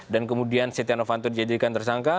dan kemudian setia novanto dijadikan tersangka